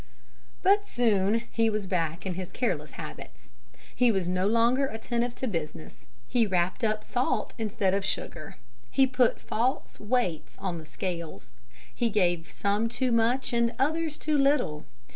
But soon he was back in his careless habits. He was no longer attentive to business. He wrapped up salt instead of sugar. He put false weights on the scales. He gave some too much and others too little.